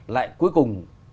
lại cuối cùng